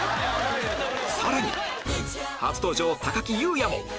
さらに初登場木雄也も！